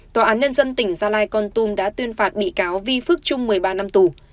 tòa án nhân dân tỉnh gia lai con tum đã tuyên phạt bị cáo vi phước trung một mươi ba năm tù